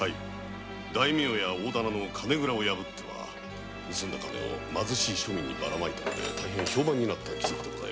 大名や大店の金蔵を破っては盗んだ金を貧しい庶民にバラまいたのでえらい評判の義賊で。